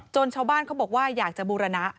ชาวบ้านเขาบอกว่าอยากจะบูรณะ